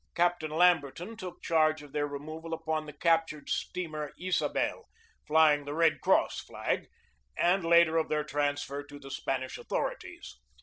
Captain Lamberton took charge of their removal upon the captured steamer Isabel, flying the Red Cross flag, and later of their transfer to the Spanish authorities.